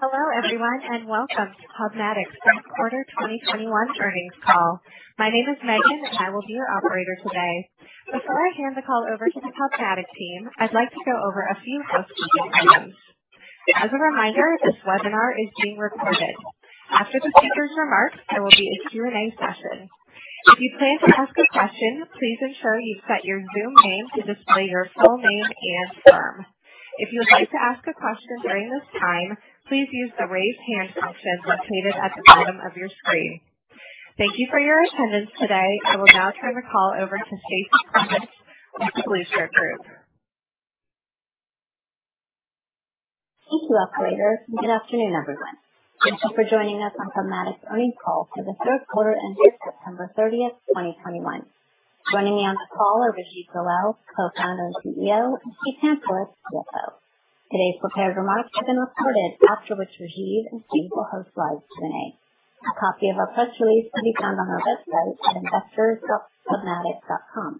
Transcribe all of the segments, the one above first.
Hello everyone, and welcome to PubMatic's Q3 2021 earnings call. My name is Megan and I will be your operator today. Before I hand the call over to the PubMatic team, I'd like to go over a few housekeeping items. As a reminder, this webinar is being recorded. After the speakers' remarks, there will be a Q&A session. If you plan to ask a question, please ensure you've set your Zoom name to display your full name and firm. If you would like to ask a question during this time, please use the Raise Hand function located at the bottom of your screen. Thank you for your attendance today. I will now turn the call over to Stacie Clements of The Blueshirt Group. Thank you, operator. Good afternoon, everyone. Thank you for joining us on PubMatic's earnings call for the Q3 ended September 30, 2021. Joining me on the call are Rajeev Goel, Co-Founder and CEO, and Steve Pantelick, CFO. Today's prepared remarks have been recorded, after which Rajeev and Steve will host live Q&A. A copy of our press release can be found on our website at investors.pubmatic.com.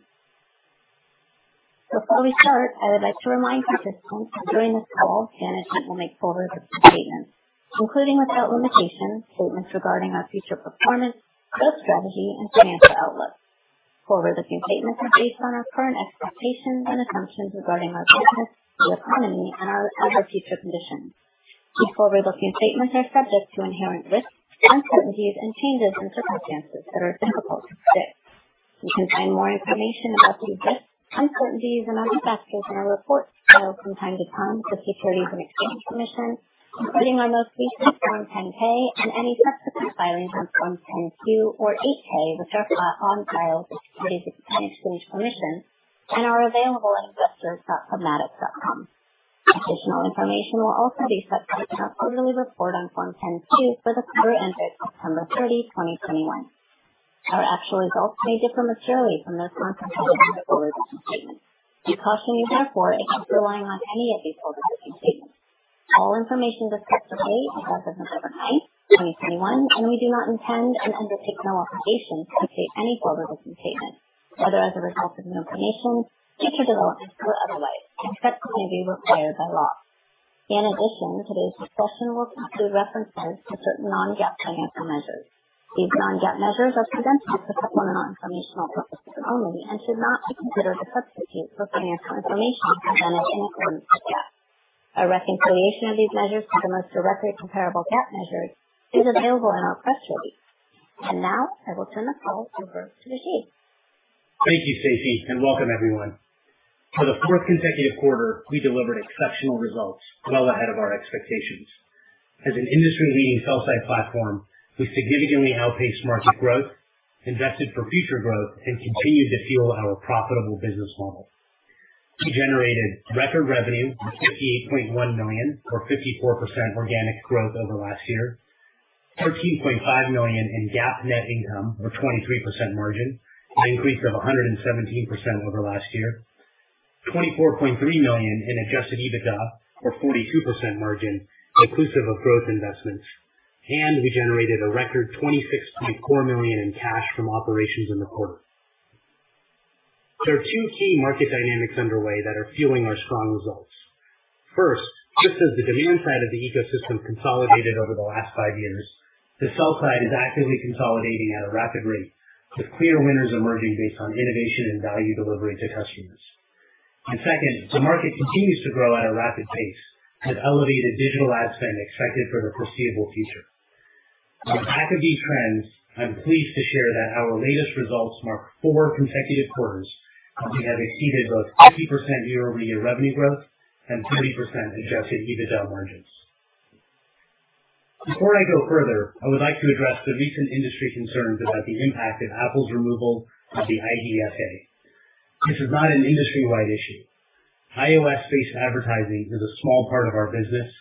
Before we start, I would like to remind participants that during this call, management will make forward-looking statements, including, without limitation, statements regarding our future performance, growth strategy and financial outlook. Forward-looking statements are based on our current expectations and assumptions regarding our business, the economy and our future conditions. These forward-looking statements are subject to inherent risks and uncertainties and changes in circumstances that are difficult to predict. You can find more information about these risks, uncertainties and other factors in our reports filed from time to time with the Securities and Exchange Commission, including our most recent Form 10-K and any subsequent filings on Form 10-Q or 8-K, which are on file with the Securities and Exchange Commission and are available at investors.pubmatic.com. Additional information will also be submitted in our quarterly report on Form 10-Q for the quarter ended September 30, 2021. Our actual results may differ materially from those contemplated in the forward-looking statements. We caution you, therefore, against relying on any of these forward-looking statements. All information was correct to date as of November 9, 2021, and we do not intend and undertake no obligation to update any forward-looking statements, whether as a result of new information, future developments or otherwise, except to the degree required by law. In addition, today's discussion will include references to certain non-GAAP financial measures. These non-GAAP measures are presented for supplemental informational purposes only and should not be considered a substitute for financial information presented in accordance with GAAP. A reconciliation of these measures to the most directly comparable GAAP measures is available in our press release. Now I will turn the call over to Rajeev. Thank you, Stacie, and welcome everyone. For the fourth consecutive quarter, we delivered exceptional results well ahead of our expectations. As an industry-leading sell-side platform, we significantly outpaced market growth, invested for future growth and continued to fuel our profitable business model. We generated record revenue of $58.1 million or 54% organic growth over last year. We generated $13.5 million in GAAP net income or 23% margin, an increase of 117% over last year. We generated $24.3 million in adjusted EBITDA or 42% margin inclusive of growth investments. We generated a record $26.4 million in cash from operations in the quarter. There are two key market dynamics underway that are fueling our strong results. First, just as the demand side of the ecosystem consolidated over the last five years, the sell side is actively consolidating at a rapid rate, with clear winners emerging based on innovation and value delivery to customers. Second, the market continues to grow at a rapid pace, with elevated digital ad spend expected for the foreseeable future. On the back of these trends, I'm pleased to share that our latest results mark four consecutive quarters that we have exceeded both 50% year-over-year revenue growth and 30% adjusted EBITDA margins. Before I go further, I would like to address the recent industry concerns about the impact of Apple's removal of the IDFA. This is not an industry-wide issue. iOS-based advertising is a small part of our business,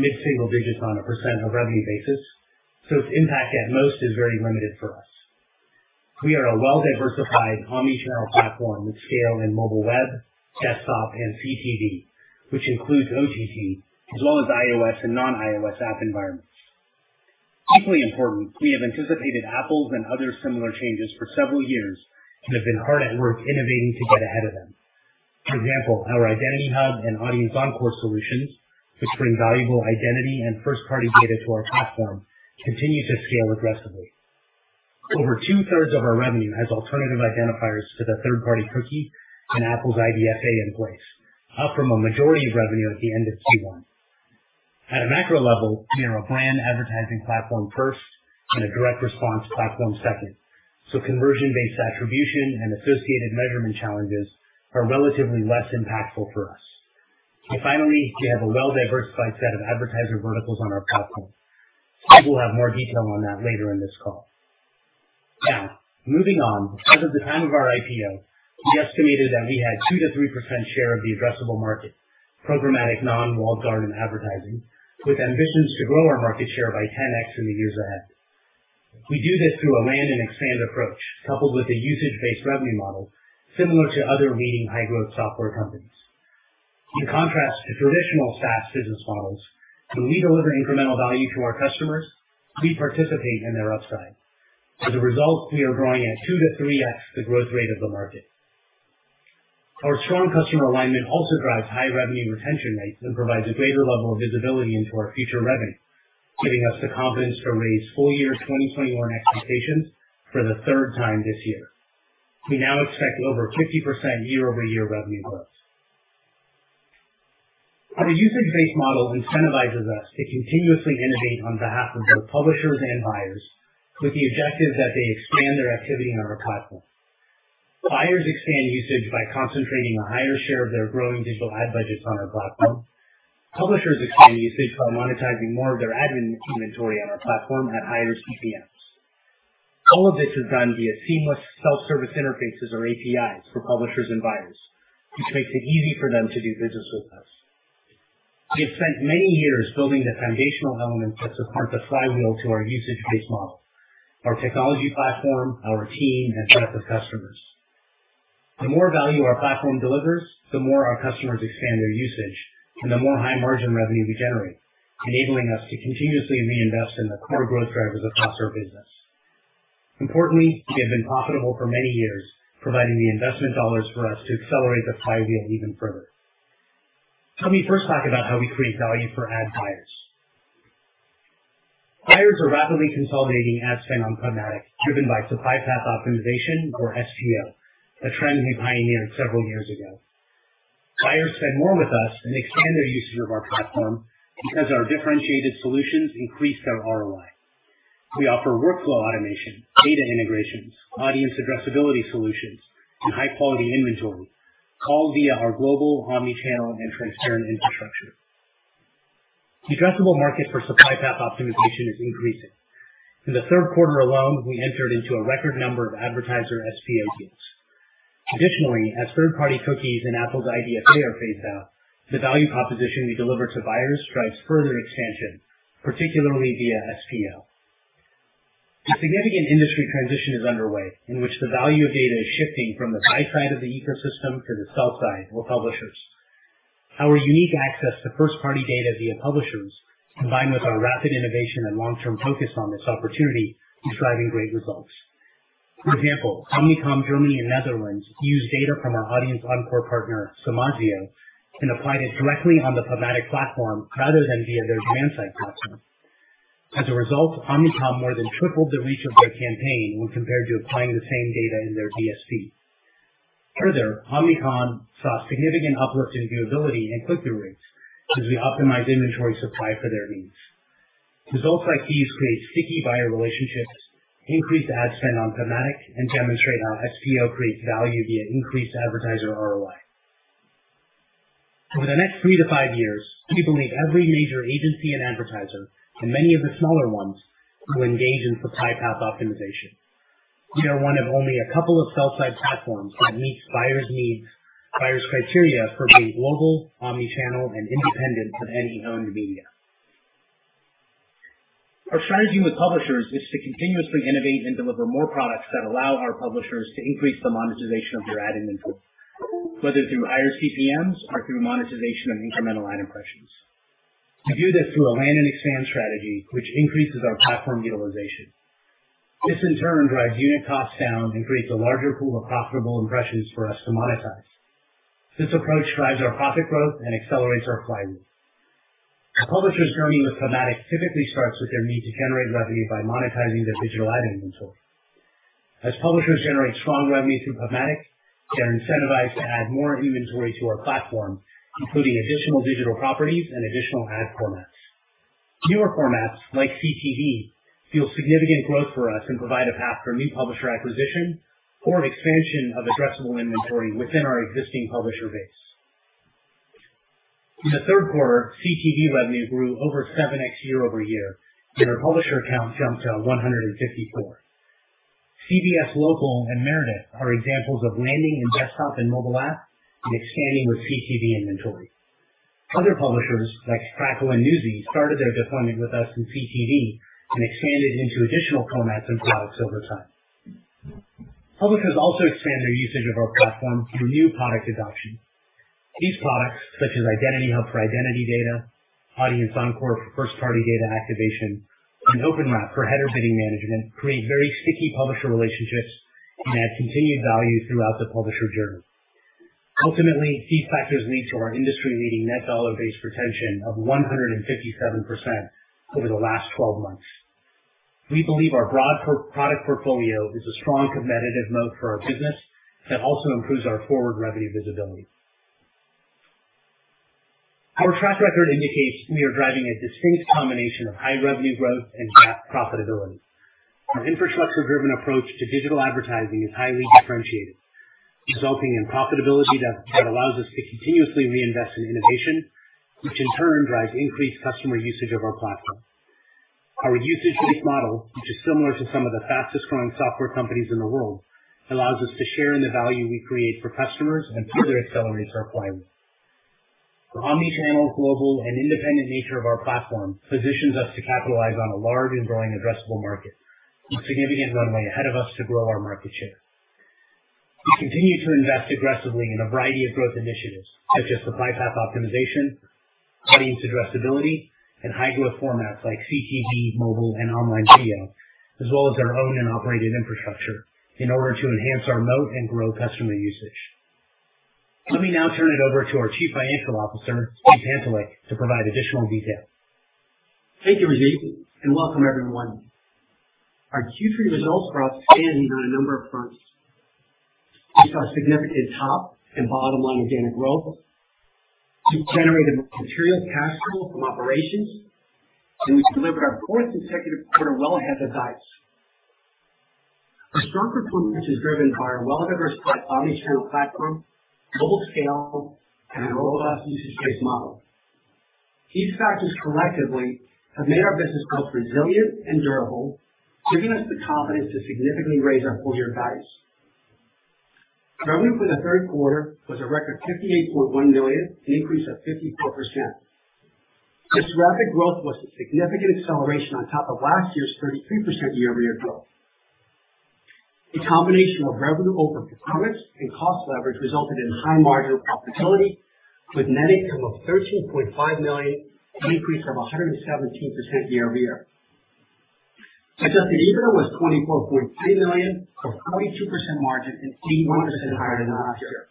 mid-single digits on a % of revenue basis, so its impact at most is very limited for us. We are a well-diversified omnichannel platform with scale in mobile web, desktop and CTV, which includes OTT as well as iOS and non-iOS app environments. Equally important, we have anticipated Apple's and other similar changes for several years and have been hard at work innovating to get ahead of them. For example, our Identity Hub and Audience Encore solutions, which bring valuable identity and first-party data to our platform, continue to scale aggressively. Over 2/3 of our revenue has alternative identifiers to the third-party cookie and Apple's IDFA in place, up from a majority of revenue at the end of Q1. At a macro level, we are a brand advertising platform first and a direct response platform second, so conversion-based attribution and associated measurement challenges are relatively less impactful for us. Finally, we have a well-diversified set of advertiser verticals on our platform. Steve will have more detail on that later in this call. Now, moving on. As of the time of our IPO, we estimated that we had 2%-3% share of the addressable market, programmatic non-walled garden advertising, with ambitions to grow our market share by 10x in the years ahead. We do this through a land and expand approach coupled with a usage-based revenue model similar to other leading high-growth software companies. In contrast to traditional SaaS business models, when we deliver incremental value to our customers, we participate in their upside. As a result, we are growing at 2x-3x the growth rate of the market. Our strong customer alignment also drives high revenue retention rates and provides a greater level of visibility into our future revenue, giving us the confidence to raise full year 2021 expectations for the third time this year. We now expect over 50% year-over-year revenue growth. Our usage-based model incentivizes us to continuously innovate on behalf of both publishers and buyers with the objective that they expand their activity on our platform. Buyers expand usage by concentrating a higher share of their growing digital ad budgets on our platform. Publishers expand usage by monetizing more of their ad in-inventory on our platform at higher CPMs. All of this is done via seamless self-service interfaces or APIs for publishers and buyers, which makes it easy for them to do business with us. We have spent many years building the foundational elements that support the flywheel to our usage-based model, our technology platform, our team, and set up of customers. The more value our platform delivers, the more our customers expand their usage and the more high margin revenue we generate, enabling us to continuously reinvest in the core growth drivers across our business. Importantly, we have been profitable for many years, providing the investment dollars for us to accelerate the flywheel even further. Let me first talk about how we create value for ad buyers. Buyers are rapidly consolidating ad spend on programmatic, driven by supply path optimization or SPO, a trend we pioneered several years ago. Buyers spend more with us and expand their usage of our platform because our differentiated solutions increase their ROI. We offer workflow automation, data integrations, audience addressability solutions, and high-quality inventory, all via our global omni-channel and transparent infrastructure. The addressable market for supply path optimization is increasing. In the Q3 alone, we entered into a record number of advertiser SPO deals. Additionally, as third-party cookies in Apple's IDFA are phased out, the value proposition we deliver to buyers drives further expansion, particularly via SPO. A significant industry transition is underway, in which the value of data is shifting from the buy side of the ecosystem to the sell side with publishers. Our unique access to first-party data via publishers, combined with our rapid innovation and long-term focus on this opportunity, is driving great results. For example, Omnicom, Germany, and Netherlands use data from our Audience Encore partner, Semasio, and applied it directly on the PubMatic platform rather than via their demand side platform. As a result, Omnicom more than tripled the reach of their campaign when compared to applying the same data in their DSP. Further, Omnicom saw significant uplift in viewability and click-through rates as we optimized inventory supply for their needs. Results like these create sticky buyer relationships, increase ad spend on programmatic, and demonstrate how SPO creates value via increased advertiser ROI. Over the next 3-5 years, we believe every major agency and advertiser, and many of the smaller ones, will engage in supply path optimization. We are one of only a couple of sell-side platforms that meets buyers' needs, buyers' criteria for being global, omni-channel, and independent of any owned media. Our strategy with publishers is to continuously innovate and deliver more products that allow our publishers to increase the monetization of their ad inventory, whether through higher CPMs or through monetization of incremental ad impressions. We do this through a land and expand strategy, which increases our platform utilization. This, in turn, drives unit costs down and creates a larger pool of profitable impressions for us to monetize. This approach drives our profit growth and accelerates our flywheel. A publisher's journey with PubMatic typically starts with their need to generate revenue by monetizing their digital ad inventory. As publishers generate strong revenue through PubMatic, they're incentivized to add more inventory to our platform, including additional digital properties and additional ad formats. Newer formats like CTV fuel significant growth for us and provide a path for new publisher acquisition or an expansion of addressable inventory within our existing publisher base. In the Q3, CTV revenue grew over 7x year-over-year, and our publisher count jumped to 154. CBS Local and Meredith are examples of landing in desktop and mobile app and expanding with CTV inventory. Other publishers like Crackle and Newsy started their deployment with us in CTV and expanded into additional formats and products over time. Publishers also expand their usage of our platform through new product adoption. These products, such as Identity Hub for identity data, Audience Encore for first-party data activation, and OpenWrap for header bidding management, create very sticky publisher relationships and add continued value throughout the publisher journey. Ultimately, these factors lead to our industry-leading net dollar-based retention of 157% over the last 12 months. We believe our broad product portfolio is a strong competitive moat for our business that also improves our forward revenue visibility. Our track record indicates we are driving a distinct combination of high revenue growth and cash profitability. Our infrastructure-driven approach to digital advertising is highly differentiated, resulting in profitability that allows us to continuously reinvest in innovation, which in turn drives increased customer usage of our platform. Our usage-based model, which is similar to some of the fastest growing software companies in the world, allows us to share in the value we create for customers and further accelerates our flywheel. The omni-channel, global, and independent nature of our platform positions us to capitalize on a large and growing addressable market, with significant runway ahead of us to grow our market share. We continue to invest aggressively in a variety of growth initiatives such as supply path optimization, audience addressability and high-growth formats like CTV, mobile and online video, as well as our owned and operated infrastructure in order to enhance our moat and grow customer usage. Let me now turn it over to our Chief Financial Officer, Steve Pantelick, to provide additional detail. Thank you, Rajeev, and welcome everyone. Our Q3 results were outstanding on a number of fronts. We saw significant top and bottom line organic growth. We generated material cash flow from operations, and we delivered our fourth consecutive quarter well ahead of guidance. Our strong performance is driven by our well-diversified omni-channel platform, global scale, and a robust usage-based model. These factors collectively have made our business both resilient and durable, giving us the confidence to significantly raise our full year guidance. Revenue for the Q3 was a record $58.1 million, an increase of 54%. This rapid growth was a significant acceleration on top of last year's 33% year-over-year growth. A combination of revenue over performance and cost leverage resulted in high margin profitability with net income of $13.5 million, an increase of 117% year-over-year. Adjusted EBITDA was $24.3 million for 42% margin and 81% higher than last year.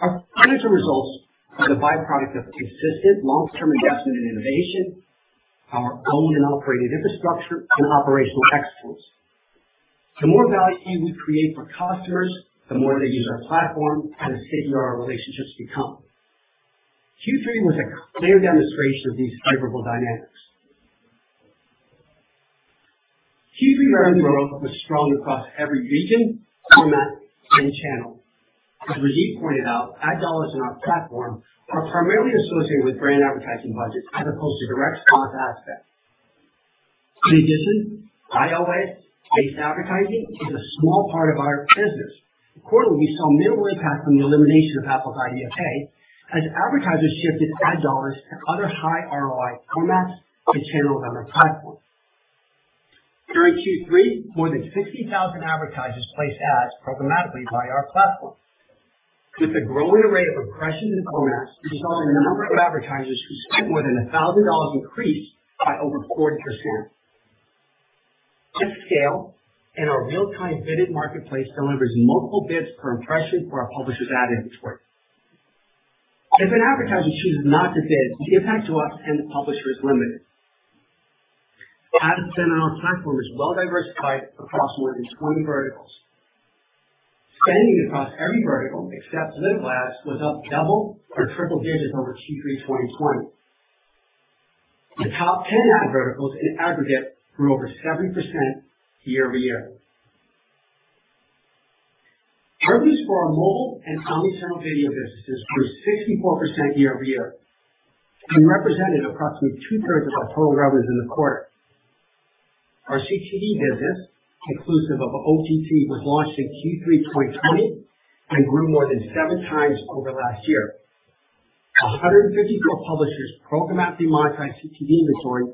Our financial results are the byproduct of consistent long-term investment in innovation, our owned and operated infrastructure, and operational excellence. The more value we create for customers, the more they use our platform and the stickier our relationships become. Q3 was a clear demonstration of these favorable dynamics. Q3 revenue growth was strong across every region, format, and channel. As Rajeev pointed out, ad dollars in our platform are primarily associated with brand advertising budgets as opposed to direct response aspects. In addition, iOS-based advertising is a small part of our business. Quarterly, we saw minimal impact from the elimination of Apple IDFA as advertisers shifted ad dollars to other high ROI formats and channels on our platform. During Q3, more than 60,000 advertisers placed ads programmatically via our platform. With a growing array of impressions and formats, we saw the number of advertisers who spent more than $1,000 increased by over 40%. At scale, our real-time bidded marketplace delivers multiple bids per impression for our publishers' ad inventory. If an advertiser chooses not to bid, the impact to us and the publisher is limited. Ads on our platform is well-diversified across more than 20 verticals. Spending across every vertical except live ads was up double or triple digits over Q3 2020. The top 10 ad verticals in aggregate grew over 70% year-over-year. Revenues for our mobile and omnichannel video businesses grew 64% year-over-year and represented approximately two-thirds of our total revenues in the quarter. Our CTV business, exclusive of OTT, was launched in Q3 2020 and grew more than 7x over last year. 154 publishers programmatically monetized CTV inventory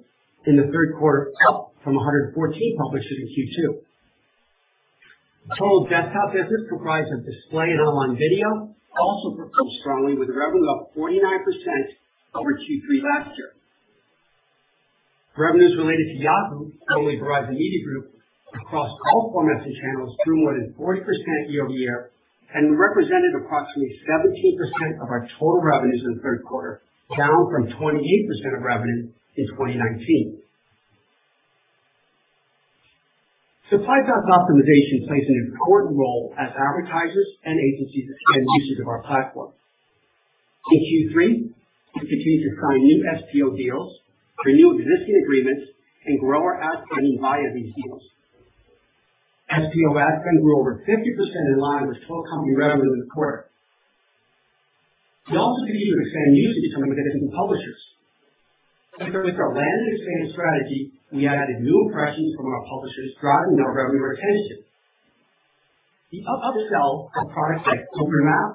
in the Q3, up from 114 publishers in Q2. Total desktop business comprised of display and online video also performed strongly, with revenue up 49% over Q3 last year. Revenues related to Yahoo, formerly Verizon Media Group, across all formats and channels grew more than 40% year-over-year and represented approximately 17% of our total revenues in the Q3, down from 28% of revenue in 2019. Supply path optimization plays an important role as advertisers and agencies expand usage of our platform. In Q3, we continued to sign new SPO deals, renew existing agreements, and grow our ad spend via these deals. SPO ad spend grew over 50% in line with total company revenue in the quarter. We also continued to expand usage among existing publishers. In concert with our land expansion strategy, we added new impressions from our publishers, driving their revenue retention. The up-sell of products like OpenWrap,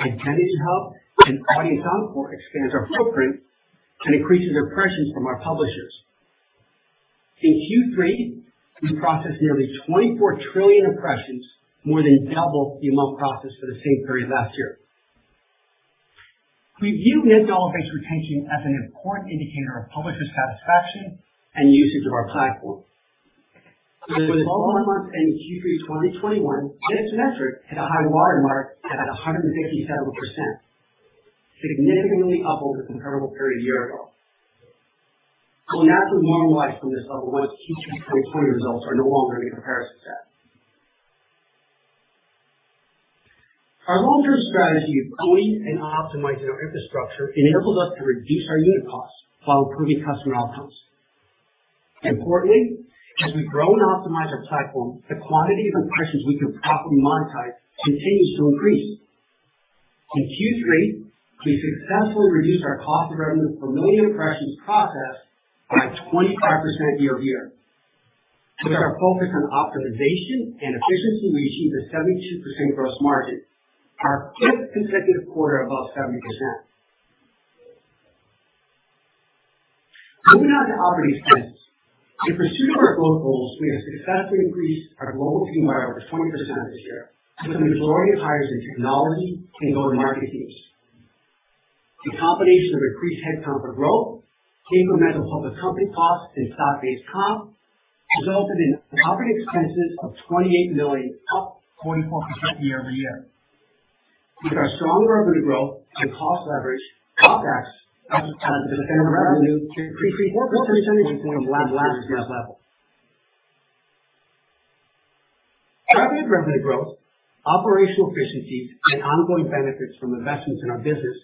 Identity Hub, and Audience Encore expands our footprint and increases impressions from our publishers. In Q3, we processed nearly 24 trillion impressions, more than double the amount processed for the same period last year. We view net dollar-based retention as an important indicator of publisher satisfaction and usage of our platform. With 12 months ending Q3 2021, this metric hit a high watermark at 167%, significantly up over the comparable period a year ago. It will naturally normalize from this level once Q3 2020 results are no longer a comparison set. Our long-term strategy of owning and optimizing our infrastructure enables us to reduce our unit costs while improving customer outcomes. Importantly, as we grow and optimize our platform, the quantity of impressions we can properly monetize continues to increase. In Q3, we successfully reduced our cost of revenue per million impressions processed by 25% year-over-year. With our focus on optimization and efficiency, we achieved a 72% gross margin, our fifth consecutive quarter above 70%. Moving on to operating expenses. In pursuit of our growth goals, we have successfully increased our global team by over 20% this year, with the majority of hires in technology and go-to-market teams. The combination of increased head count for growth, incremental public company costs, and stock-based comp resulted in operating expenses of $28 million, up 24% year-over-year. With our strong revenue growth and cost leverage, CapEx as a percent of revenue decreased 4 percentage points from last year's level. Strong revenue growth, operational efficiencies, and ongoing benefits from investments in our business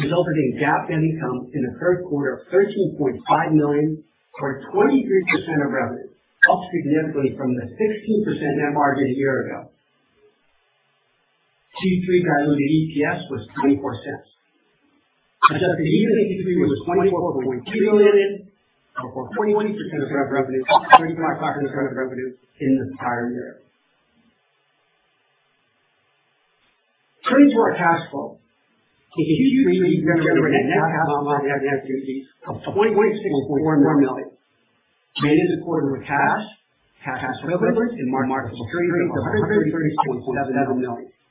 resulted in GAAP net income in the Q3 of $13.5 million or 23% of revenue, up significantly from the 16% net margin a year ago. Q3 diluted EPS was $0.24. Adjusted EBITDA in Q3 was $24.2 million, or 41% of revenue, up from 35% of revenue in the entire year. Turning to our cash flow. In Q3, we generated net cash from operating activities of $26.4 million. We ended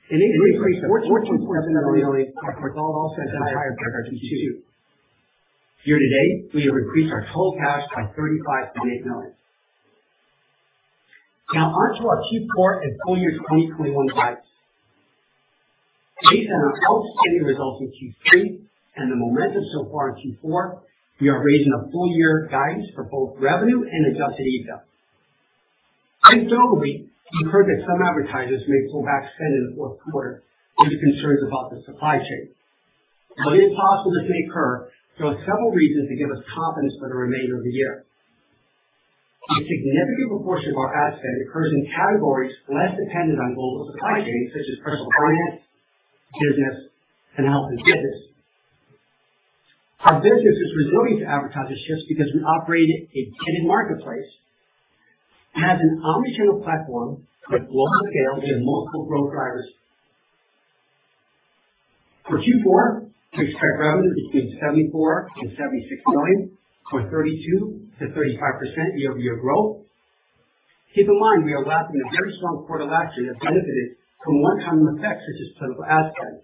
the quarter with cash equivalents, and marketable securities of $137 million, an increase of $14.7 million from Q2. Year-to-date, we have increased our total cash by $35.8 million. Now onto our Q4 and full year 2021 guidance. Based on our outstanding results in Q3 and the momentum so far in Q4, we are raising the full year guidance for both revenue and adjusted EBITDA. Anecdotally, we've heard that some advertisers may pull back spend in the fourth quarter due to concerns about the supply chain. While it is possible this may occur, there are several reasons to give us confidence for the remainder of the year. A significant proportion of our ad spend occurs in categories less dependent on global supply chains such as personal finance, business, and health and fitness. Our business is resilient to advertiser shifts because we operate a vetted marketplace, has an omnichannel platform with global scale and multiple growth drivers. For Q4, we expect revenue between $74 million and $76 million or 32%-35% year-over-year growth. Keep in mind we are lapping a very strong quarter last year that benefited from one-time effects such as political ad spend.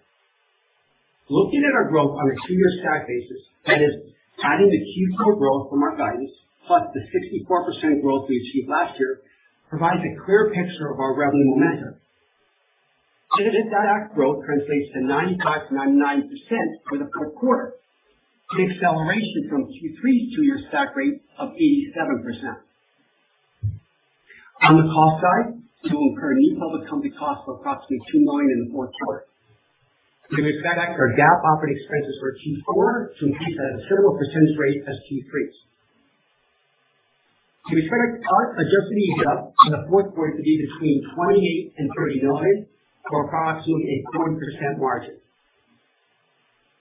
Looking at our growth on a two-year stack basis, that is adding the Q4 growth from our guidance, plus the 64% growth we achieved last year provides a clear picture of our revenue momentum. Adding this stack growth translates to 95%-99% for the full quarter, an acceleration from Q3 two-year stack rate of 87%. On the cost side, we will incur new public company costs of approximately $2 million in the Q4. We expect our GAAP operating expenses for Q4 to increase at a similar percentage rate as Q3's. We expect our adjusted EBITDA in the fourth quarter to be between $28 million and $30 million or approximately a 40% margin.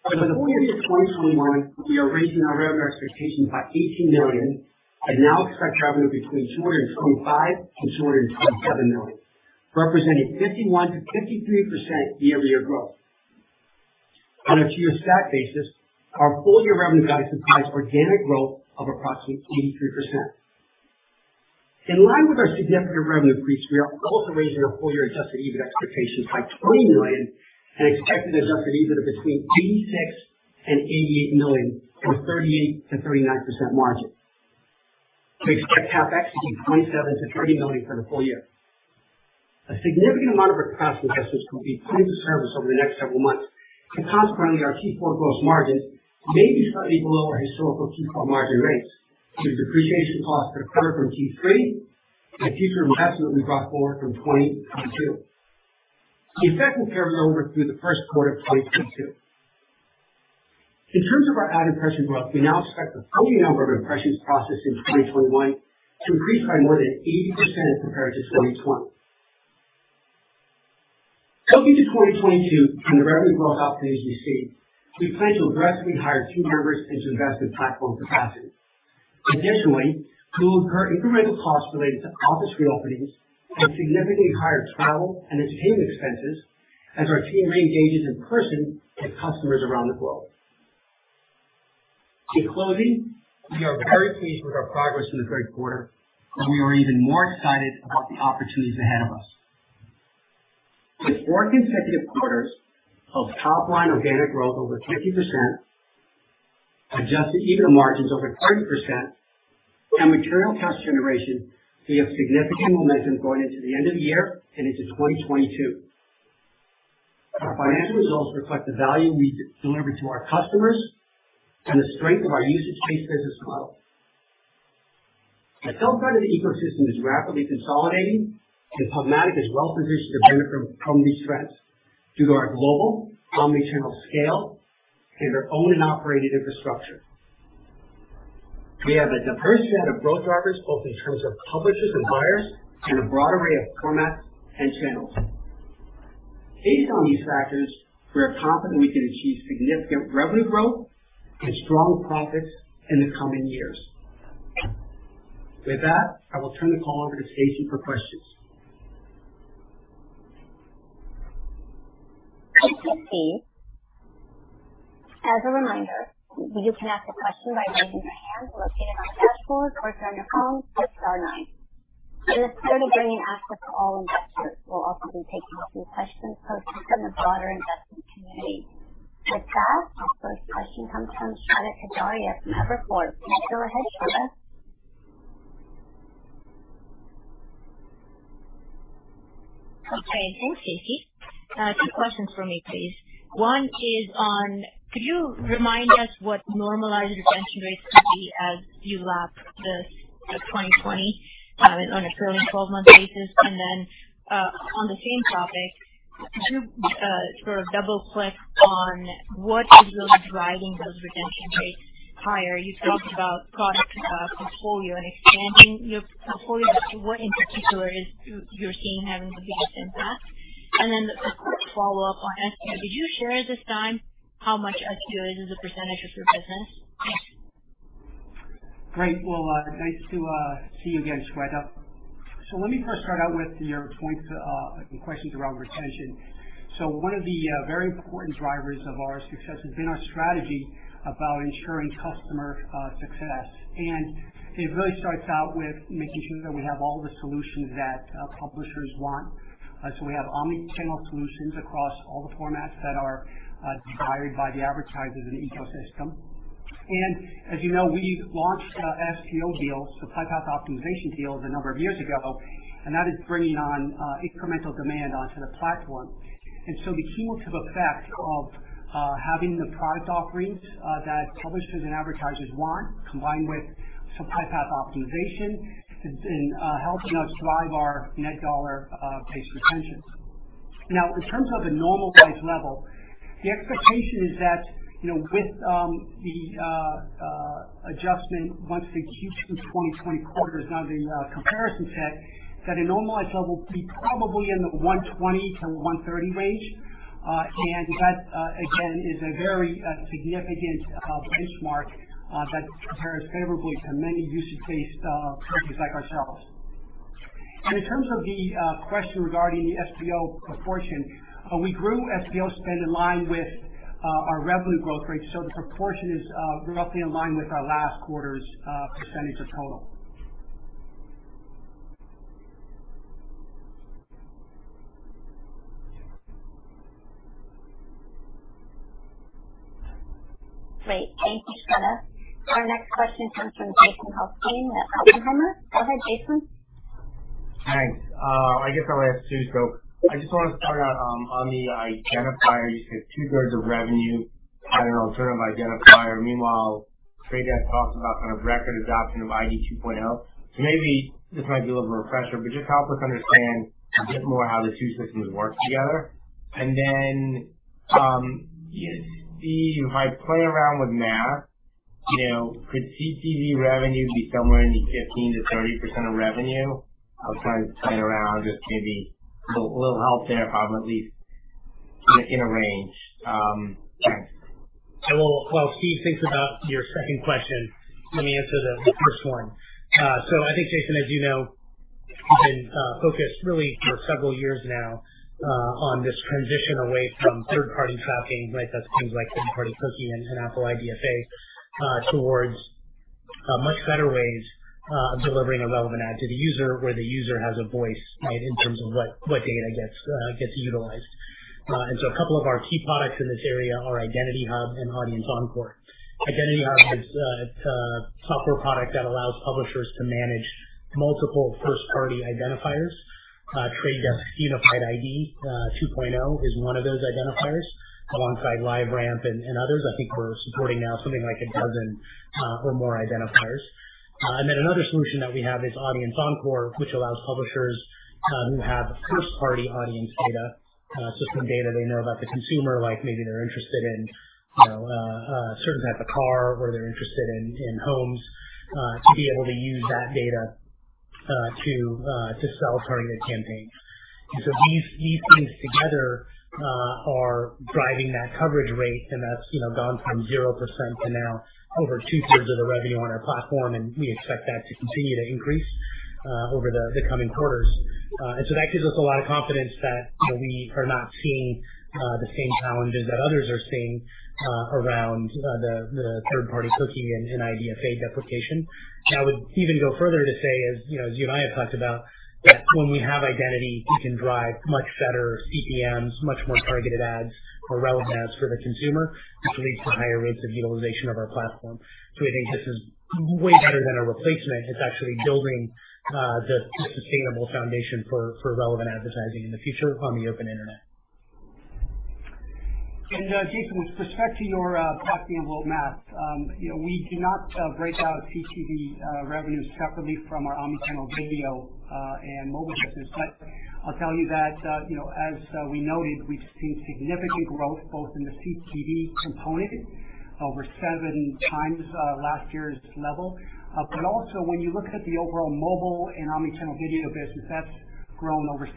For the full year 2021, we are raising our revenue expectations by $18 million, and now expect revenue between $225 million and $227 million, representing 51%-53% year-over-year growth. On a two-year stack basis, our full-year revenue guidance implies organic growth of approximately 83%. In line with our significant revenue increase, we are also raising our full-year adjusted EBITDA expectations by $20 million and expecting adjusted EBITDA between $86 million and $88 million or 38%-39% margin. We expect CapEx to be $27 million-$30 million for the full year. A significant amount of our past investments will be put into service over the next several months, and consequently our Q4 gross margin may be slightly below our historical Q4 margin rates due to depreciation costs that occurred from Q3 and future investment will be brought forward from 2022. The effect will carry over through the first quarter of 2022. In terms of our ad impression growth, we now expect the total number of impressions processed in 2021 to increase by more than 80% as compared to 2020. Looking to 2022 from the revenue growth opportunities you see, we plan to aggressively hire team members and to invest in platform capacity. Additionally, we will incur incremental costs related to office reopenings and significantly higher travel and entertainment expenses as our team re-engages in person with customers around the globe. In closing, we are very pleased with our progress in the Q3, and we are even more excited about the opportunities ahead of us. With four consecutive quarters of top line organic growth over 50%, adjusted EBITDA margins over 30%, and material cash generation, we have significant momentum going into the end of the year and into 2022. Our financial results reflect the value we deliver to our customers and the strength of our usage-based business model. The self-service ecosystem is rapidly consolidating, and PubMatic is well-positioned to benefit from these trends due to our global omni-channel scale and our own and operated infrastructure. We have a diverse set of growth drivers, both in terms of publishers and buyers, and a broad array of formats and channels. Based on these factors, we are confident we can achieve significant revenue growth and strong profits in the coming years. With that, I will turn the call over to Stacy for questions. As a reminder, you can ask a question by raising your hand located on the dashboard or if you're on your phone, star nine. In addition to getting answers from all investors, we'll also be taking a few questions posted from the broader investment community. With that, our first question comes from Shweta Khajuria from Evercore. Please go ahead, Shweta. Okay. Thanks, Stacy. Two questions from me, please. One is on, could you remind us what normalized retention rates could be as you lap the 2020 on a trailing 12-month basis? Then, on the same topic, could you sort of double-click on what is really driving those retention rates higher? You talked about product portfolio and expanding your portfolio. What in particular are you seeing having the biggest impact? Then a quick follow-up on SPO. Could you share this time how much SPO is as a percentage of your business? Great. Well, nice to see you again, Shweta. Let me first start out with your points and questions around retention. One of the very important drivers of our success has been our strategy about ensuring customer success. It really starts out with making sure that we have all the solutions that publishers want. We have omni-channel solutions across all the formats that are desired by the advertisers and ecosystem. As you know, we launched SPO deals, supply path optimization deals a number of years ago, and that is bringing on incremental demand onto the platform. The cumulative effect of having the priced offerings that publishers and advertisers want, combined with supply path optimization has been helping us drive our net dollar-based retention. Now, in terms of a normalized level, the expectation is that, you know, with the adjustment, once the Q2 2020 quarter is now the comparison set, that a normalized level would be probably in the 120%-130% range. That again is a very significant benchmark that compares favorably to many usage-based services like ourselves. In terms of the question regarding the SPO proportion, we grew SPO spend in line with our revenue growth rate. The proportion is roughly in line with our last quarter's percentage of total. Great. Thank you, Shweta. Our next question comes from Jason Helfstein at Oppenheimer. Go ahead, Jason. Thanks. I guess I'll ask two. I just wanna start out on the identifier. You said 2/3 of revenue on an alternative identifier. Meanwhile, Trade Desk talks about kind of record adoption of ID 2.0. Maybe this might be a little refresher, but just help us understand a bit more how the two systems work together. Steve, if I play around with math, you know, could CTV revenue be somewhere in the 15%-30% of revenue? I was trying to play around, just maybe a little help there, if I'm at least in a range. Thanks. While Steve thinks about your second question, let me answer the first one. I think, Jason, as you know, we've been focused really for several years now on this transition away from third-party tracking, right? That's things like third-party cookies and Apple IDFA towards much better ways of delivering a relevant ad to the user where the user has a voice, right? In terms of what data gets utilized. A couple of our key products in this area are Identity Hub and Audience Encore. Identity Hub is a software product that allows publishers to manage multiple first-party identifiers. Trade Desk Unified ID 2.0 is one of those identifiers alongside LiveRamp and others. I think we're supporting now something like a dozen or more identifiers. Another solution that we have is Audience Encore, which allows publishers who have first-party audience data, so some data they know about the consumer, like maybe they're interested in, you know, a certain type of car or they're interested in homes, to be able to use that data to sell targeted campaigns. These things together are driving that coverage rate and that's, you know, gone from 0% to now over two-thirds of the revenue on our platform, and we expect that to continue to increase over the coming quarters. That gives us a lot of confidence that, you know, we are not seeing the same challenges that others are seeing around the third-party cookie and IDFA deprecation. I would even go further to say, as you know, as you and I have talked about, that when we have identity, we can drive much better CPMs, much more targeted ads or relevant ads for the consumer, which leads to higher rates of utilization of our platform. I think this is way better than a replacement. It's actually building the sustainable foundation for relevant advertising in the future on the open internet. Jason, with respect to your tracking and roadmaps, you know, we do not break out CTV revenues separately from our omni-channel video and mobile business. I'll tell you that, you know, as we noted, we've seen significant growth both in the CTV component over 7x last year's level. Also when you look at the overall mobile and omni-channel video business, that's grown over 60%.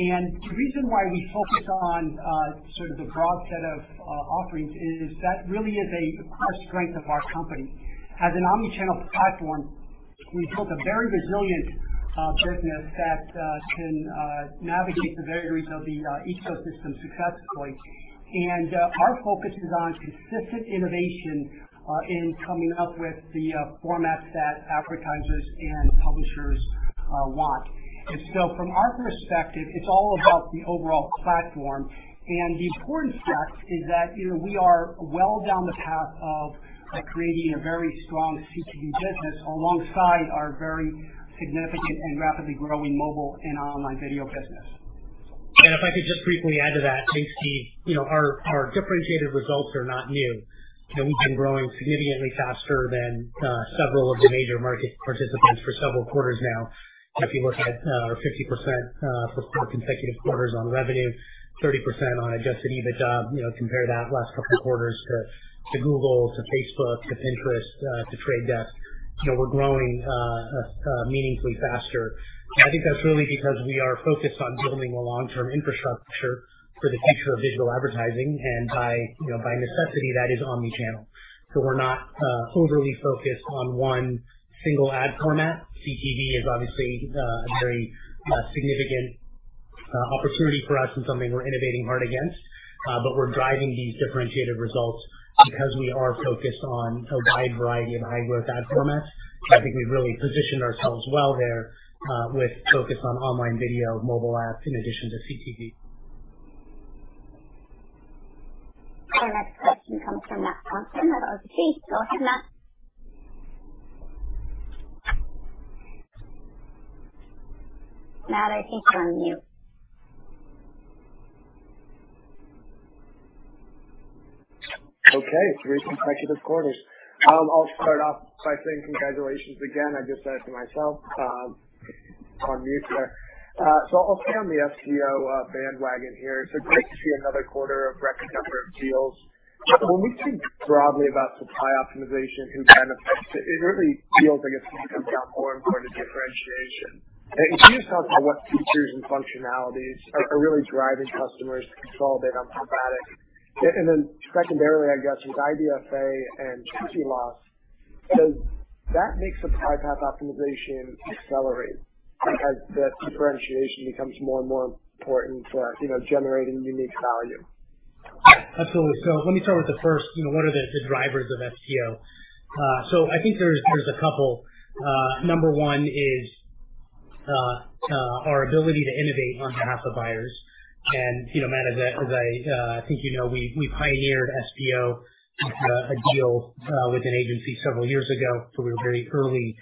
The reason why we focus on sort of the broad set of offerings is that really is a core strength of our company. As an omni-channel platform, we took a very resilient business that can navigate the vagaries of the ecosystem successfully. Our focus is on consistent innovation in coming up with the formats that advertisers and publishers want. From our perspective, it's all about the overall platform. The important step is that, you know, we are well down the path of creating a very strong CTV business alongside our very significant and rapidly growing mobile and online video business. If I could just briefly add to that, thanks, Steve. You know, our differentiated results are not new. You know, we've been growing significantly faster than several of the major market participants for several quarters now. If you look at our 50% for four consecutive quarters on revenue, 30% on adjusted EBITDA, you know, compare that last couple of quarters to Google, to Facebook, to Pinterest, to The Trade Desk. You know, we're growing meaningfully faster. I think that's really because we are focused on building a long-term infrastructure for the future of digital advertising. By necessity, that is omni-channel. We're not overly focused on one single ad format. CTV is obviously a very significant opportunity for us and something we're innovating hard against. We're driving these differentiated results because we are focused on a wide variety of high-growth ad formats. I think we've really positioned ourselves well there, with focus on online video, mobile apps in addition to CTV. Our next question comes from Matt Swanson of RBC. Go ahead, Matt. Matt, I think you're on mute. Okay. Three consecutive quarters. I'll start off by saying congratulations again. I just said it to myself on mute there. So I'll stay on the SPO bandwagon here. It's great to see another quarter of record number of deals. When we think broadly about supply optimization and benefits, it really feels like it's become more and more of a differentiation. Can you talk about what features and functionalities are really driving customers to consolidate on PubMatic? And then secondarily, I guess, with IDFA and cookie loss, does that make supply path optimization accelerate as that differentiation becomes more and more important for, you know, generating unique value? Absolutely. Let me start with the first. You know, what are the drivers of FTO? I think there's a couple. Number one is our ability to innovate on behalf of buyers. You know, Matt, as I think you know, we pioneered FTO with a deal with an agency several years ago. We were very early,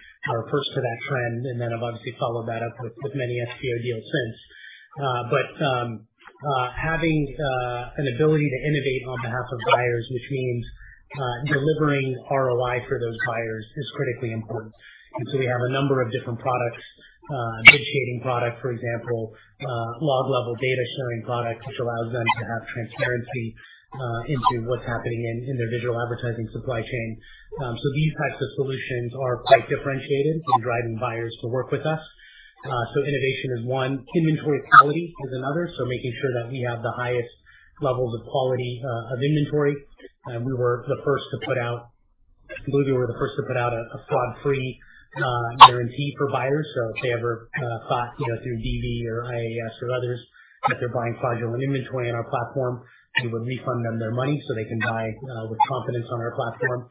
first to that trend, and then have obviously followed that up with many FTO deals since. Having an ability to innovate on behalf of buyers, which means delivering ROI for those buyers is critically important. We have a number of different products, bid shading product, for example, log level data sharing product, which allows them to have transparency into what's happening in their digital advertising supply chain. These types of solutions are quite differentiated in driving buyers to work with us. Innovation is one. Inventory quality is another. Making sure that we have the highest levels of quality of inventory. I believe we were the first to put out a fraud free guarantee for buyers. If they ever bought, you know, through DoubleVerify or IAS or others, that they're buying fraudulent inventory on our platform, we would refund them their money so they can buy with confidence on our platform.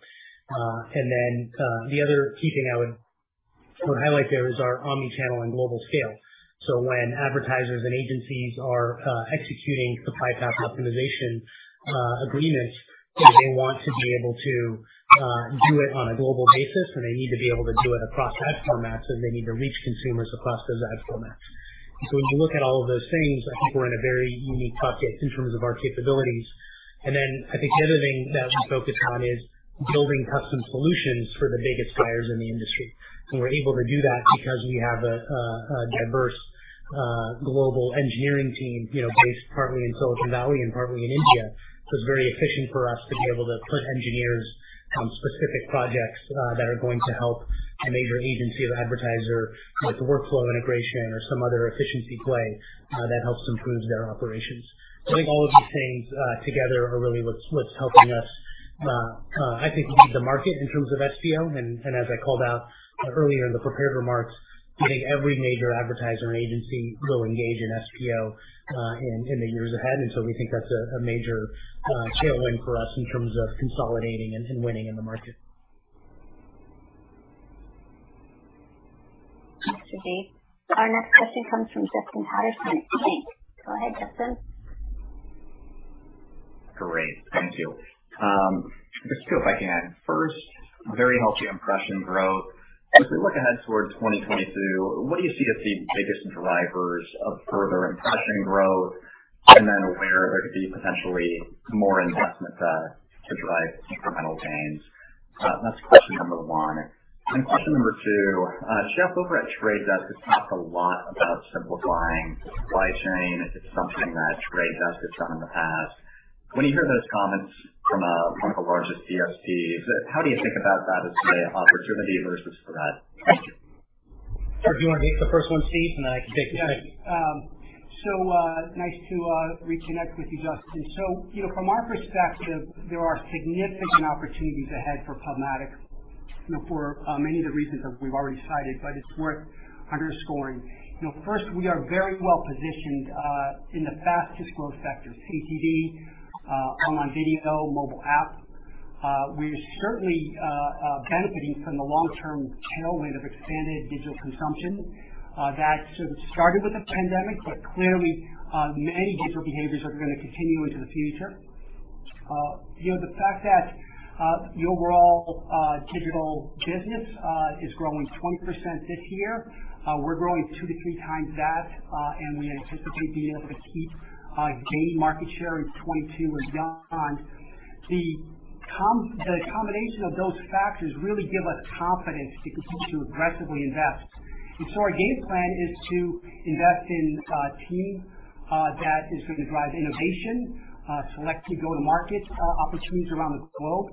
The other key thing I would highlight there is our omni-channel and global scale. When advertisers and agencies are executing Supply Path Optimization agreements, they want to be able to do it on a global basis, and they need to be able to do it across ad formats, and they need to reach consumers across those ad formats. When you look at all of those things, I think we're in a very unique pocket in terms of our capabilities. I think the other thing that we focus on is building custom solutions for the biggest buyers in the industry. We're able to do that because we have a diverse global engineering team, you know, based partly in Silicon Valley and partly in India. It's very efficient for us to be able to put engineers on specific projects that are going to help a major agency or advertiser with the workflow integration or some other efficiency play that helps improve their operations. I think all of these things together are really what's helping us. I think lead the market in terms of FTO. And as I called out earlier in the prepared remarks, I think every major advertiser and agency will engage in FTO in the years ahead. We think that's a major tailwind for us in terms of consolidating and winning in the market. Thanks, Rajeev. Our next question comes from Justin Patterson at KeyBanc. Go ahead, Justin. Great. Thank you. Just a few if I can. First, very healthy impression growth. As we look ahead towards 2022, what do you see as the biggest drivers of further impression growth? And then where there could be potentially more investment to drive incremental gains? That's question number one. Then question number two, Jeff over at Trade Desk has talked a lot about simplifying supply chain. It's something that Trade Desk has done in the past. When you hear those comments from one of the largest DSPs, how do you think about that as an opportunity versus threat? Thank you. Sure. Do you want to take the first one, Steve, and then I can take the second? Yes. Nice to reconnect with you, Justin. You know, from our perspective, there are significant opportunities ahead for PubMatic. You know, for many of the reasons that we've already cited, but it's worth underscoring. You know, first, we are very well positioned in the fastest growth sectors, CTV, online video, mobile app. We're certainly benefiting from the long-term tailwind of expanded digital consumption that sort of started with the pandemic, but clearly many digital behaviors are gonna continue into the future. You know, the fact that the overall digital business is growing 20% this year, we're growing 2x to 3 that. We anticipate being able to keep gain market share in 2022 and beyond. The combination of those factors really give us confidence to continue to aggressively invest. Our game plan is to invest in a team that is gonna drive innovation, select few go-to-market opportunities around the globe,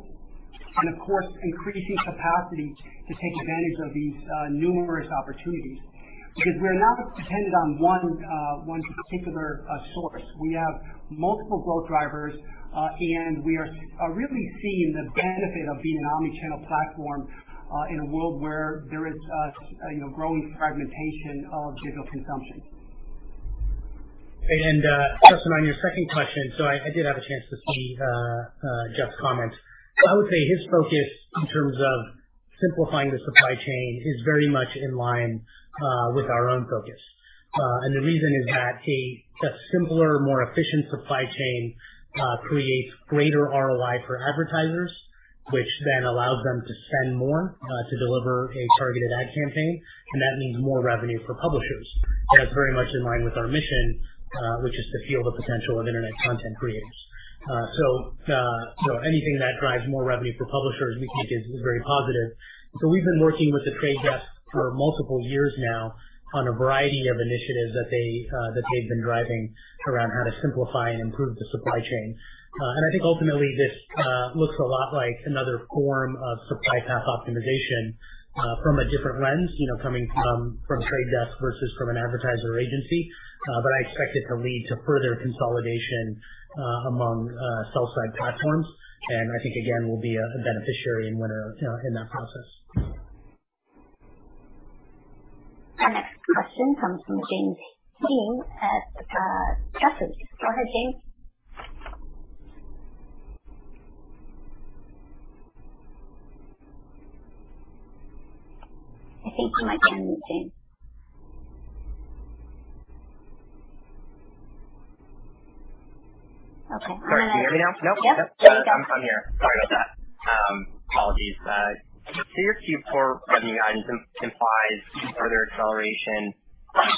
and of course, increasing capacity to take advantage of these numerous opportunities. Because we're not dependent on one particular source. We have multiple growth drivers, and we are really seeing the benefit of being an omni-channel platform in a world where there is you know, growing fragmentation of digital consumption. Justin, on your second question, so I did have a chance to see Jeff's comments. I would say his focus in terms of simplifying the supply chain is very much in line with our own focus. The reason is that a simpler, more efficient supply chain creates greater ROI for advertisers, which then allows them to spend more to deliver a targeted ad campaign, and that means more revenue for publishers. That's very much in line with our mission, which is to fuel the potential of internet content creators. You know, anything that drives more revenue for publishers we think is very positive. We've been working with The Trade Desk for multiple years now on a variety of initiatives that they've been driving around how to simplify and improve the supply chain. I think ultimately this looks a lot like another form of Supply Path Optimization from a different lens, you know, coming from Trade Desk versus from an advertiser agency. I expect it to lead to further consolidation among sell-side platforms. I think, again, we'll be a beneficiary and winner, you know, in that process. Our next question comes from James Heaney at Jefferies. Go ahead, James. I think you might be on mute, James. Okay. Can you hear me now? Nope. Yep. I'm here. Sorry about that. Apologies. Your Q4 revenue guidance implies further acceleration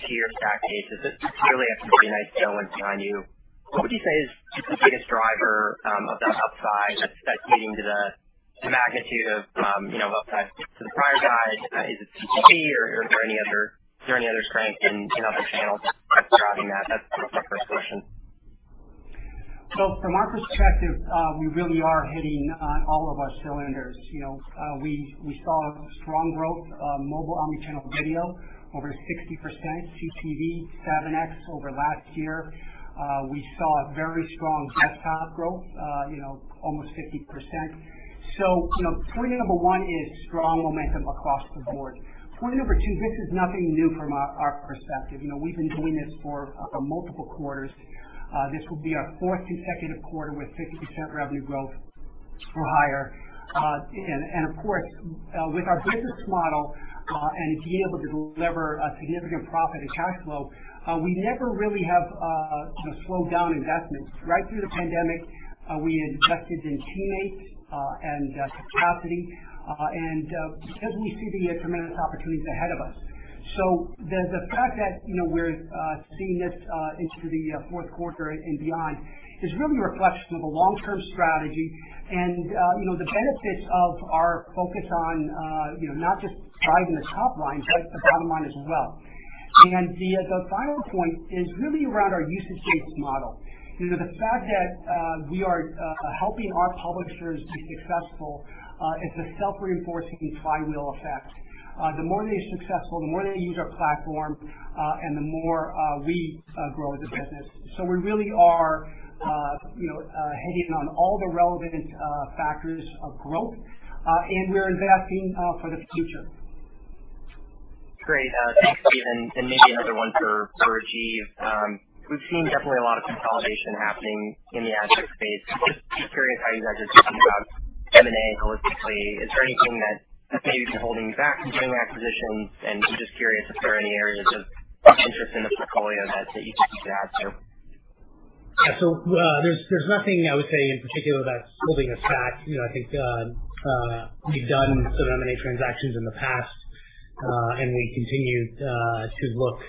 to your stack thesis. Clearly, X-ray had a nice tailwind behind you. What would you say is the biggest driver of the upside that's leading to the magnitude of you know upside to the prior guide? Is it CTV or is there any other strength in other channels that's driving that? That was my first question. From our perspective, we really are hitting on all of our cylinders. You know, we saw strong growth, mobile omni-channel video over 60%, CTV 7x over last year. We saw very strong desktop growth, you know, almost 50%. You know, point number one is strong momentum across the board. Point number two, this is nothing new from our perspective. You know, we've been doing this for multiple quarters. This will be our fourth consecutive quarter with 50% revenue growth or higher. And of course, with our business model, and being able to deliver a significant profit and cash flow, we never really have, you know, slowed down investments. Right through the pandemic, we invested in teammates and capacity because we see the tremendous opportunities ahead of us. The fact that, you know, we're seeing this into the fourth quarter and beyond is really a reflection of a long-term strategy and, you know, the benefits of our focus on, you know, not just driving the top line, but the bottom line as well. The final point is really around our usage-based model. You know, the fact that we are helping our publishers be successful is a self-reinforcing flywheel effect. The more they're successful, the more they use our platform, and the more we grow the business. We really are, you know, hitting on all the relevant factors of growth, and we're investing for the future. Great. Thanks, Steve. Maybe another one for Rajeev. We've seen definitely a lot of consolidation happening in the ad tech space. Just curious how you guys are thinking about M&A holistically. Is there anything that's maybe been holding you back from doing acquisitions? I'm just curious if there are any areas of interest in the portfolio that you could add to. Yeah. There's nothing I would say in particular that's holding us back. You know, I think, we've done some M&A transactions in the past, and we continue to look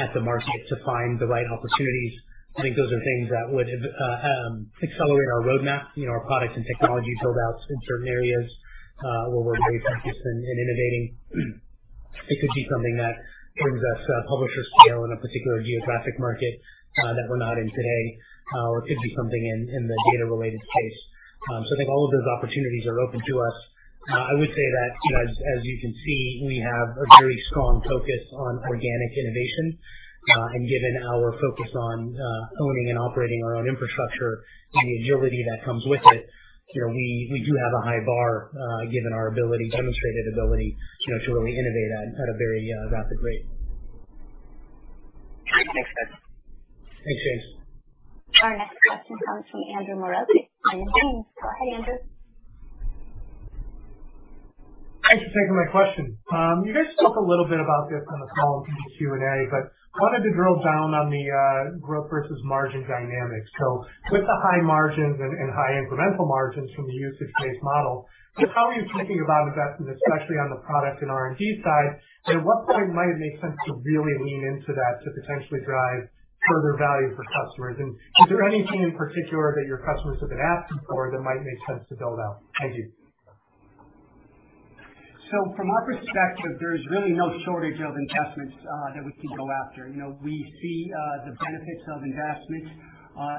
at the market to find the right opportunities. I think those are things that would accelerate our roadmap, you know, our product and technology build-outs in certain areas where we're very focused in innovating. It could be something that brings us publisher scale in a particular geographic market that we're not in today. It could be something in the data-related space. I think all of those opportunities are open to us. I would say that, you know, as you can see, we have a very strong focus on organic innovation. Given our focus on owning and operating our own infrastructure and the agility that comes with it, you know, we do have a high bar, given our ability, demonstrated ability, you know, to really innovate at a very rapid rate. Thanks, Jason. Thanks, James. Our next question comes from Andrew Marok with Barclays. Go ahead, Andrew. Thanks for taking my question. You guys talked a little bit about this on the call and in the Q&A, but wanted to drill down on the growth versus margin dynamics. With the high margins and high incremental margins from the usage-based model, just how are you thinking about investments, especially on the product and R&D side? And at what point might it make sense to really lean into that to potentially drive further value for customers? And is there anything in particular that your customers have been asking for that might make sense to build out? Thank you. From our perspective, there's really no shortage of investments that we can go after. You know, we see the benefits of investments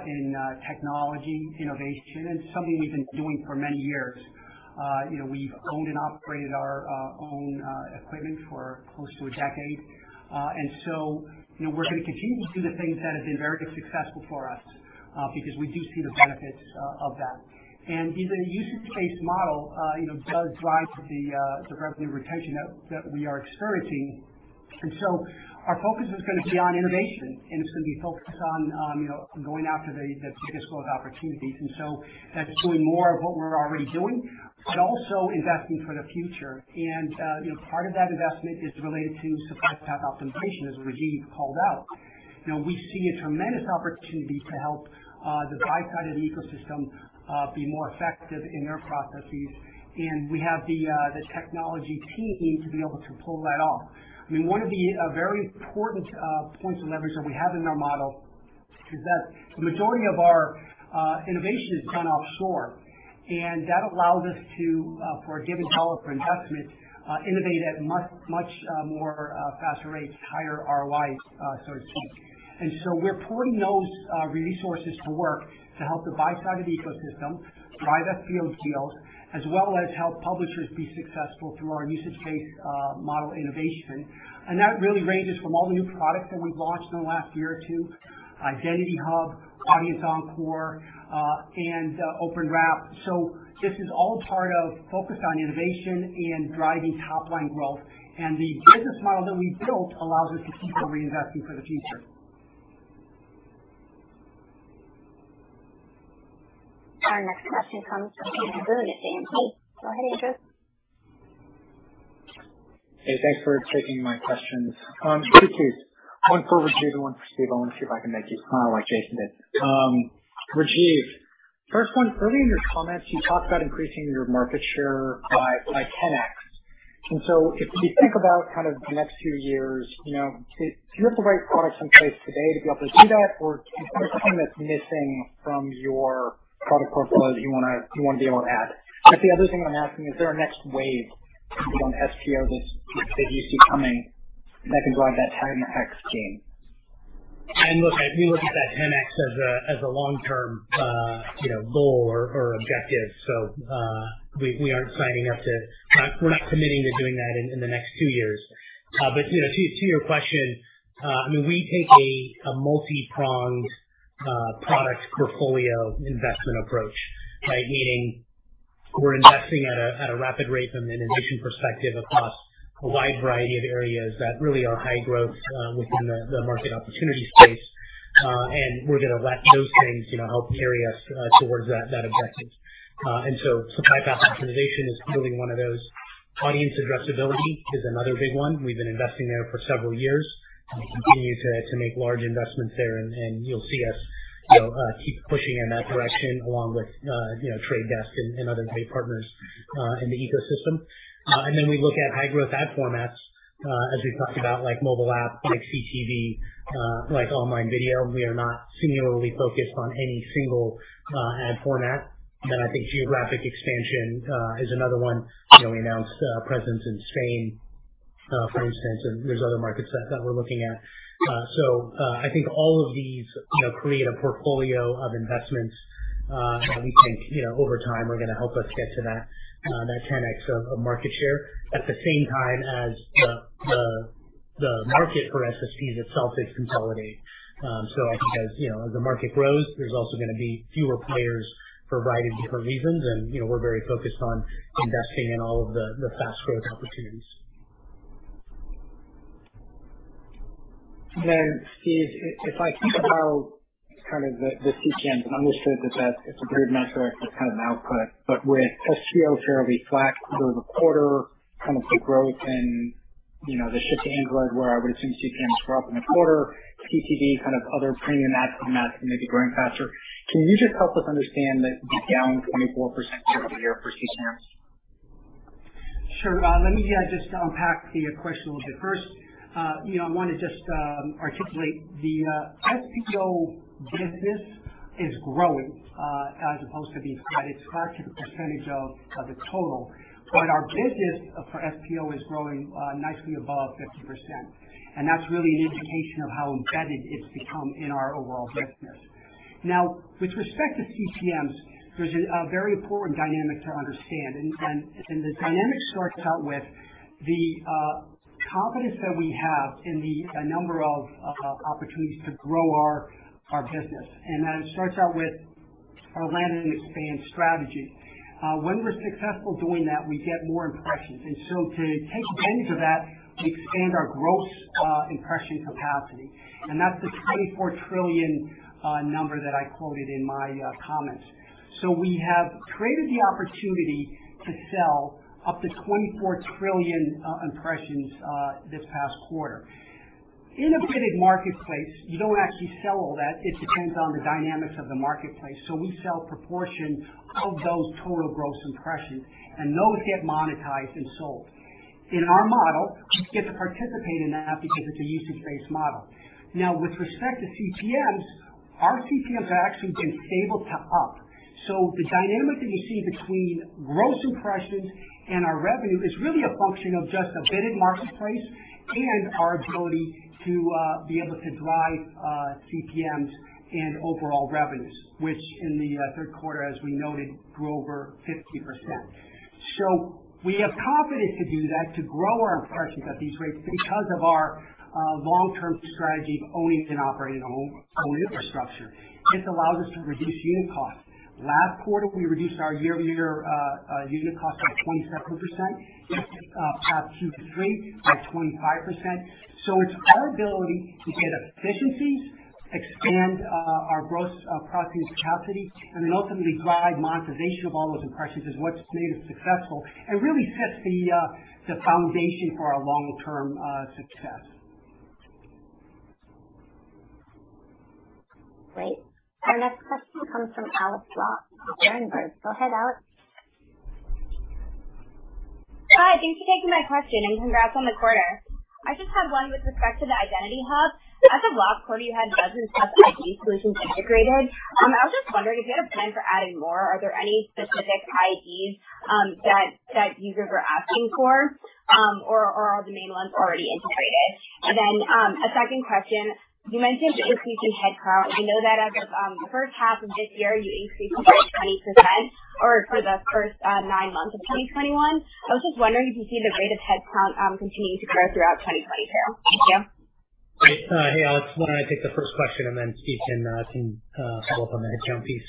in technology innovation, and it's something we've been doing for many years. You know, we've owned and operated our own equipment for close to a decade. You know, we're gonna continue to do the things that have been very successful for us because we do see the benefits of that. The usage-based model you know does drive the revenue retention that we are experiencing. Our focus is gonna be on innovation, and it's gonna be focused on you know going after the biggest growth opportunities. That's doing more of what we're already doing, but also investing for the future. You know, part of that investment is related to Supply Path Optimization, as Rajeev called out. You know, we see a tremendous opportunity to help the buy-side of the ecosystem be more effective in their processes. We have the technology team to be able to pull that off. I mean, one of the very important points of leverage that we have in our model is that the majority of our innovation is done offshore. That allows us to, for a given dollar for investment, innovate at much more faster rates, higher ROIs, so to speak. We're putting those resources to work to help the buy side of the ecosystem drive SPO deals, as well as help publishers be successful through our usage-based model innovation. That really ranges from all the new products that we've launched in the last year or two, Identity Hub, Audience Encore, and OpenWrap. This is all part of focus on innovation and driving top line growth. The business model that we've built allows us to keep on reinvesting for the future. Our next question comes from Andrew Boone at JMP. Go ahead, Andrew. Hey, thanks for taking my questions. Two quicks. One for Rajeev and one for Steve. I want to see if I can make you smile like Jason did. Rajeev, first one, early in your comments, you talked about increasing your market share by 10x. If you think about kind of the next few years, you know, do you have the right products in place today to be able to do that? Or is there something that's missing from your product portfolio that you want to be able to add? I think the other thing I'm asking, is there a next wave beyond SPO that you see coming that can drive that 10x gain? Look, we look at that 10x as a long-term goal or objective. We're not committing to doing that in the next two years. You know, to your question, I mean, we take a multi-pronged product portfolio investment approach, right? Meaning we're investing at a rapid rate from an innovation perspective across a wide variety of areas that really are high growth within the market opportunity space. We're gonna let those things, you know, help carry us towards that objective. Supply path optimization is clearly one of those. Audience addressability is another big one. We've been investing there for several years and continue to make large investments there, and you'll see us, you know, keep pushing in that direction along with you know, Trade Desk and other great partners in the ecosystem. We look at high-growth ad formats, as we've talked about, like mobile app, like CTV, like online video. We are not singularly focused on any single ad format. I think geographic expansion is another one. You know, we announced presence in Spain, for instance, and there's other markets that we're looking at. I think all of these, you know, create a portfolio of investments that we think, you know, over time are gonna help us get to that 10x of market share. At the same time as the market for SSPs itself is consolidating. I think, you know, as the market grows, there's also gonna be fewer players for a variety of different reasons. You know, we're very focused on investing in all of the fast growth opportunities. Steve, if I think about kind of the CPM, it's understood that that's a great metric for kind of an output, but with SPO fairly flat through the quarter, kind of the growth and, you know, the shift to Android, where I would assume CPMs grow up in the quarter, CTV kind of other premium ad formats may be growing faster. Can you just help us understand the down 24% year-over-year for CPMs? Sure. Let me just unpack the question a little bit. First, you know, I wanna just articulate the SPO business is growing, but it's far from the percentage of the total. But our business for SPO is growing nicely above 50%, and that's really an indication of how embedded it's become in our overall business. Now, with respect to CPMs, there's a very important dynamic to understand. The dynamic starts out with the confidence that we have in the number of opportunities to grow our business. That starts out with our land and expand strategy. When we're successful doing that, we get more impressions. To take advantage of that, we expand our gross impression capacity, and that's the 24 trillion number that I quoted in my comments. We have created the opportunity to sell up to 24 trillion impressions this past quarter. In a bid marketplace, you don't actually sell all that. It depends on the dynamics of the marketplace. We sell proportion of those total gross impressions, and those get monetized and sold. In our model, we get to participate in that because it's a usage-based model. Now, with respect to CPMs, our CPMs have actually been up. The dynamic that you see between gross impressions and our revenue is really a function of just a bid marketplace and our ability to be able to drive CPMs and overall revenues, which in the Q3, as we noted, grew over 50%. We have confidence to do that, to grow our impressions at these rates because of our long-term strategy of owning and operating our own infrastructure. This allows us to reduce unit costs. Last quarter, we reduced our year-over-year unit cost by 27%, Q3 by 25%. It's our ability to get efficiencies, expand our gross processing capacity, and then ultimately drive monetization of all those impressions is what's made us successful and really sets the foundation for our long-term success. Great. Our next question comes from Alex Ross, Berenberg. Go ahead, Alex. Hi, thanks for taking my question, and congrats on the quarter. I just have one with respect to the Identity Hub. At the last quarter, you had dozens of ID solutions integrated. I was just wondering if you had a plan for adding more. Are there any specific IDs that users are asking for? Or are the main ones already integrated? A second question. You mentioned increasing headcount. I know that first half of this year, you increased it by 20% or for the first 9 months of 2021. I was just wondering if you see the rate of headcount continuing to grow throughout 2022. Thank you. Great. Hey, Alex. Why don't I take the first question and then Steve can follow up on the headcount piece.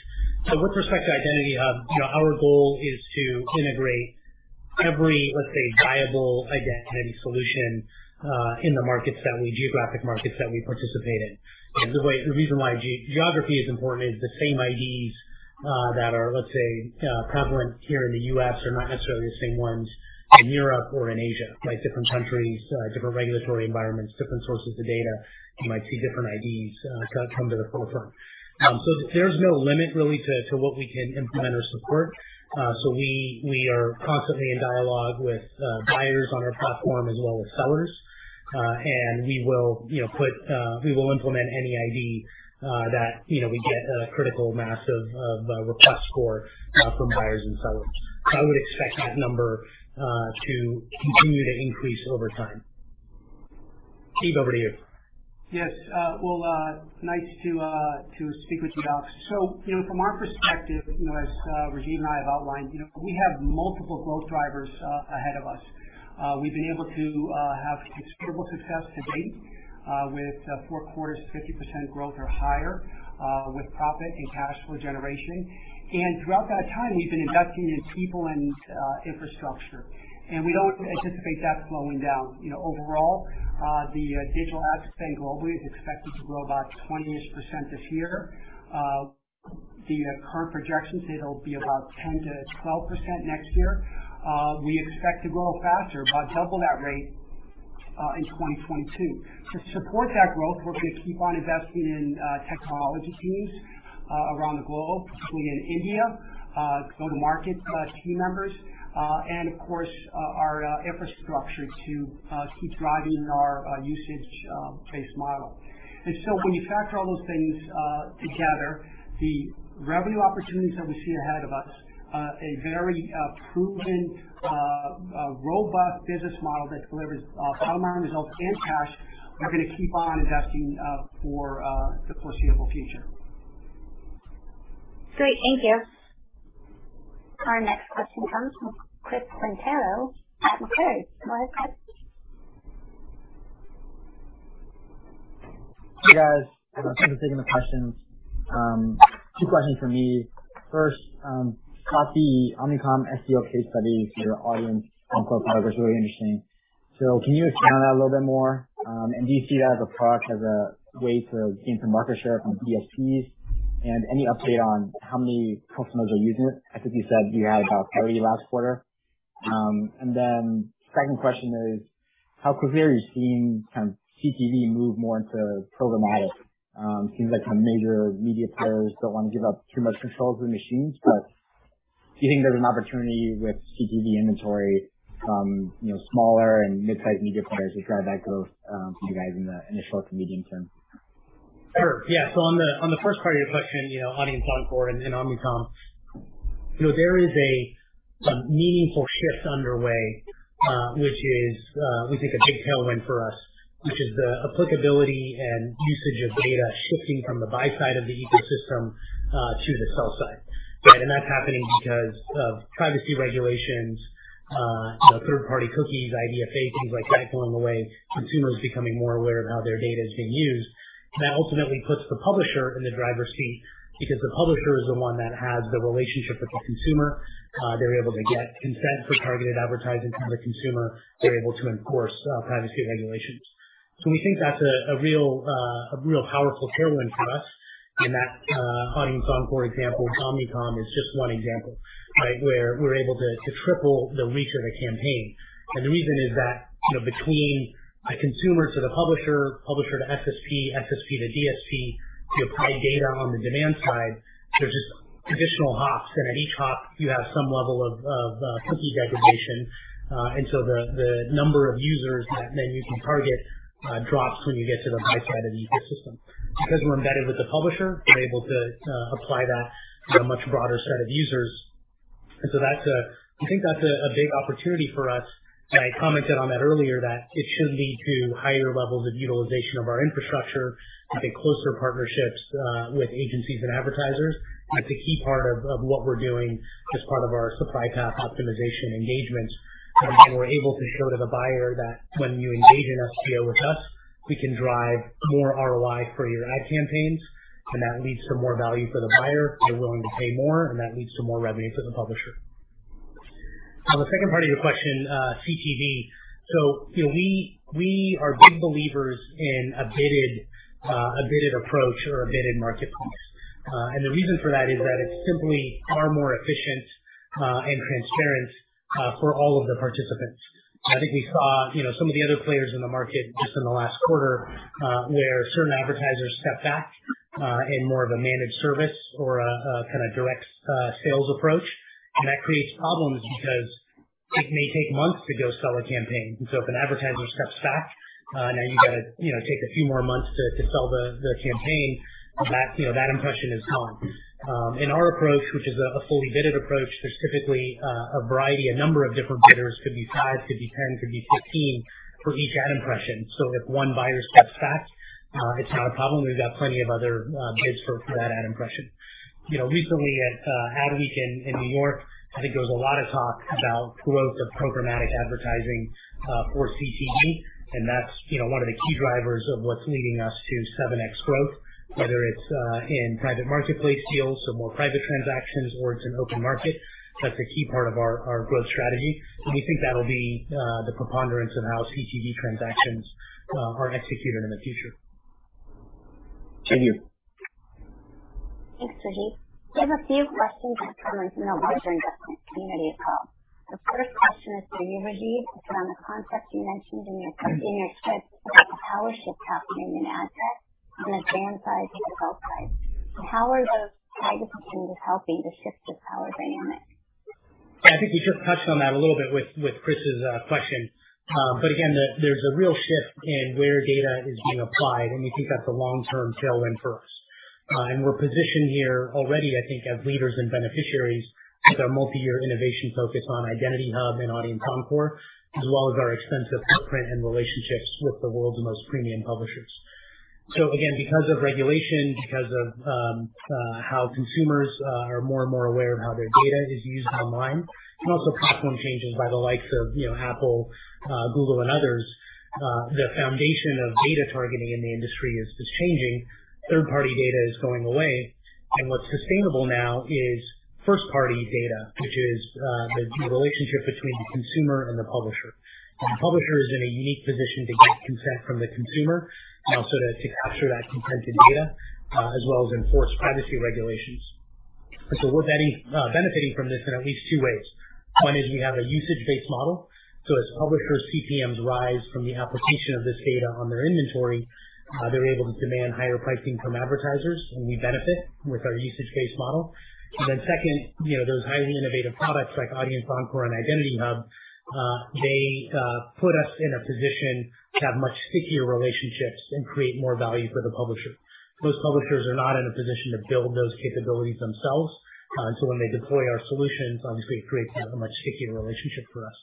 With respect to Identity Hub, you know, our goal is to integrate every, let's say, viable identity solution in the geographic markets that we participate in. The reason why geography is important is the same IDs that are, let's say, prevalent here in the U.S. are not necessarily the same ones in Europe or in Asia, right? Different countries, different regulatory environments, different sources of data. You might see different IDs come to the forefront. There's no limit really to what we can implement or support. We are constantly in dialogue with buyers on our platform as well as sellers. We will implement any ID that you know we get a critical mass of requests for from buyers and sellers. I would expect that number to continue to increase over time. Steve, over to you. Yes. Well, nice to speak with you, Alex. You know, from our perspective, you know, as Rajeev and I have outlined, you know, we have multiple growth drivers ahead of us. We've been able to have considerable success to date with four quarters of 50% growth or higher with profit and cash flow generation. Throughout that time, we've been investing in people and infrastructure, and we don't anticipate that slowing down. You know, overall, the digital ad spend globally is expected to grow about 20% this year. The current projections say it'll be about 10%-12% next year. We expect to grow faster, about double that rate, in 2022. To support that growth, we're gonna keep on investing in technology teams around the globe, particularly in India, go-to-market team members, and of course, our infrastructure to keep driving our usage based model. When you factor all those things together, the revenue opportunities that we see ahead of us, a very proven robust business model that delivers bottom line results and cash, we're gonna keep on investing for the foreseeable future. Great. Thank you. Our next question comes from Chris Kuntarich at UBS. Go ahead, Chris. Hey, guys. Thanks for taking the questions. Two questions from me. First, I saw the Omnicom SPO case study with your Audience Encore. That's really interesting. So can you expand on that a little bit more? And do you see that as a product, as a way to gain some market share from DSPs? And any update on how many customers are using it? I think you said you had about 30 last quarter. And then second question is how quickly are you seeing kind of CTV move more into programmatic? It seems like kind of major media players don't want to give up too much control to the machines. But do you think there's an opportunity with CTV inventory from, you know, smaller and mid-sized media players to drive that growth, for you guys in the short to medium term? Sure. Yeah. On the first part of your question, you know, Audience Encore and Omnicom. You know, there is a meaningful shift underway, which is we think a big tailwind for us, which is the applicability and usage of data shifting from the buy side of the ecosystem to the sell side, right? That's happening because of privacy regulations, you know, third-party cookies, IDFA, things like that going away, consumers becoming more aware of how their data is being used. That ultimately puts the publisher in the driver's seat because the publisher is the one that has the relationship with the consumer. They're able to get consent for targeted advertising from the consumer. They're able to enforce privacy regulations. We think that's a real powerful tailwind for us. That Audience Encore example, Omnicom, is just one example, right? Where we're able to triple the reach of the campaign. The reason is that, you know, between a consumer to the publisher to SSP to DSP, you apply data on the demand side, there's just traditional hops. At each hop you have some level of cookie degradation. The number of users that then you can target drops when you get to the buy side of the ecosystem. Because we're embedded with the publisher, we're able to apply that to a much broader set of users. That's a I think that's a big opportunity for us. I commented on that earlier, that it should lead to higher levels of utilization of our infrastructure and closer partnerships with agencies and advertisers. That's a key part of what we're doing as part of our supply path optimization engagements. When we're able to show to the buyer that when you engage in FTO with us, we can drive more ROI for your ad campaigns, and that leads to more value for the buyer. They're willing to pay more, and that leads to more revenue for the publisher. On the second part of your question, CTV. So, you know, we are big believers in a bidded approach or a bidded marketplace. The reason for that is that it's simply far more efficient and transparent for all of the participants. I think we saw, you know, some of the other players in the market just in the last quarter, where certain advertisers stepped back in more of a managed service or a kinda direct sales approach. That creates problems because it may take months to go sell a campaign. If an advertiser steps back, now you gotta, you know, take a few more months to sell the campaign. Well, that impression is gone. In our approach, which is a fully bidded approach, there's typically a variety, a number of different bidders. Could be five, could be 10, could be 15 for each ad impression. If one buyer steps back, it's not a problem. We've got plenty of other bids for that ad impression. You know, recently at Advertising Week in New York, I think there was a lot of talk about growth of programmatic advertising for CTV. That's, you know, one of the key drivers of what's leading us to 7x growth. Whether it's in private marketplace deals, so more private transactions or it's in open market, that's a key part of our growth strategy. We think that'll be the preponderance of how CTV transactions are executed in the future. Jenny. Thanks, Rajeev. We have a few questions that have come in from the larger investment community as well. The first question is for you, Rajeev. It's around the concept you mentioned in your script about the power shift happening in ad tech from the demand side to the sell side. How are those identity solutions helping to shift this power dynamic? Yeah, I think we just touched on that a little bit with Chris's question. Again, there's a real shift in where data is being applied, and we think that's a long-term tailwind for us. We're positioned here already, I think, as leaders and beneficiaries with our multi-year innovation focus on Identity Hub and Audience Encore, as well as our extensive footprint and relationships with the world's most premium publishers. Again, because of regulation, because of how consumers are more and more aware of how their data is used online, and also platform changes by the likes of, you know, Apple, Google and others, the foundation of data targeting in the industry is changing. Third-party data is going away. What's sustainable now is first-party data, which is the relationship between the consumer and the publisher. The publisher is in a unique position to get consent from the consumer, so to capture that consented data, as well as enforce privacy regulations. We're benefiting from this in at least two ways. One is we have a usage-based model. As publishers' CPMs rise from the application of this data on their inventory, they're able to demand higher pricing from advertisers, and we benefit with our usage-based model. Second, you know, those highly innovative products like Audience Encore and Identity Hub, they put us in a position to have much stickier relationships and create more value for the publisher. Most publishers are not in a position to build those capabilities themselves. When they deploy our solutions, obviously it creates, kind of, a much stickier relationship for us.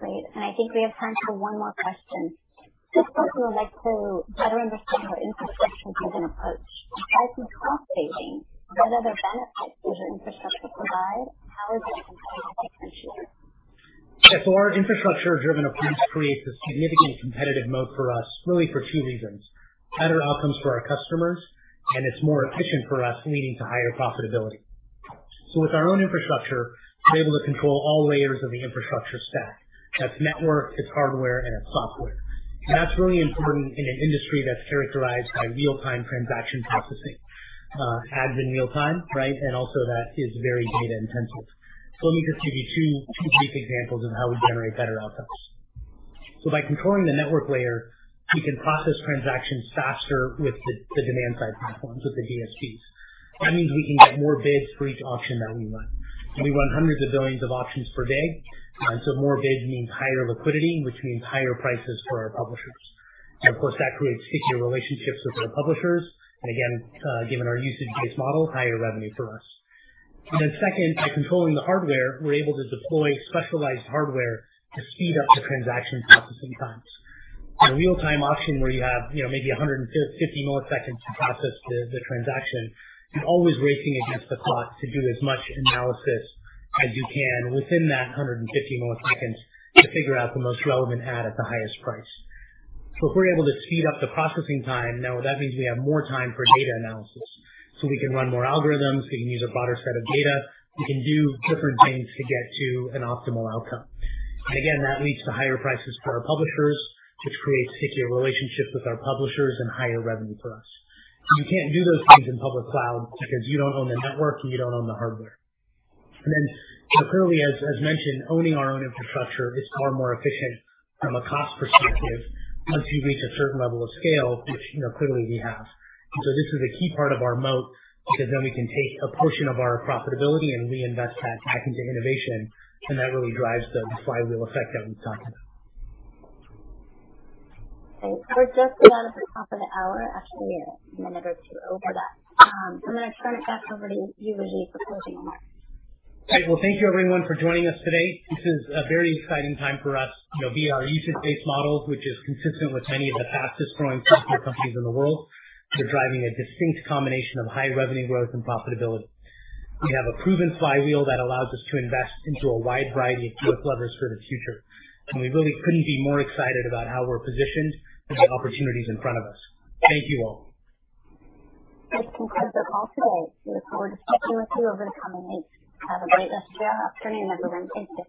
Great. I think we have time for one more question. This person would like to better understand your infrastructure-driven approach. Aside from cost savings, what other benefits does your infrastructure provide? How is it competitive differentiator? Yeah. Our infrastructure-driven approach creates a significant competitive moat for us, really for two reasons. Better outcomes for our customers, and it's more efficient for us, leading to higher profitability. With our own infrastructure, we're able to control all layers of the infrastructure stack. That's network, it's hardware, and it's software. That's really important in an industry that's characterized by real-time transaction processing, ads in real time, right? Also, that is very data intensive. Let me just give you two brief examples of how we generate better outcomes. By controlling the network layer, we can process transactions faster with the demand-side platforms, with the DSPs. That means we can get more bids for each auction that we run. We run hundreds of billions of auctions per day. More bids means higher liquidity, which means higher prices for our publishers. Of course, that creates stickier relationships with our publishers. Given our usage-based model, higher revenue for us. Second, by controlling the hardware, we're able to deploy specialized hardware to speed up the transaction processing times. In a real-time auction where you have, you know, maybe 150 milliseconds to process the transaction, you're always racing against the clock to do as much analysis as you can within that 150 milliseconds to figure out the most relevant ad at the highest price. If we're able to speed up the processing time, now that means we have more time for data analysis. We can run more algorithms, we can use a broader set of data, we can do different things to get to an optimal outcome. Again, that leads to higher prices for our publishers, which creates stickier relationships with our publishers and higher revenue for us. You can't do those things in public cloud because you don't own the network and you don't own the hardware. Clearly, as mentioned, owning our own infrastructure is far more efficient from a cost perspective once you reach a certain level of scale, which, you know, clearly we have. This is a key part of our moat because then we can take a portion of our profitability and reinvest that back into innovation, and that really drives the flywheel effect that we've talked about. Okay. We're just about at the top of the hour, actually a minute or two over that. I'm gonna turn it back over to you, Rajeev, for closing remarks. Great. Well, thank you everyone for joining us today. This is a very exciting time for us. You know, via our usage-based model, which is consistent with many of the fastest growing software companies in the world, we're driving a distinct combination of high revenue growth and profitability. We have a proven flywheel that allows us to invest into a wide variety of growth levers for the future, and we really couldn't be more excited about how we're positioned for the opportunities in front of us. Thank you all. This concludes the call today. We look forward to touching base with you over the coming weeks. Have a great rest of your afternoon, everyone. Thank you.